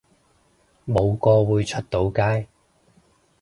冇個會出到街